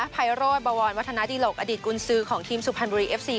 ภัยโรธบวรวัฒนาดิหลกอดีตกุญซือของทีมสุพรรณบุรีเอฟซี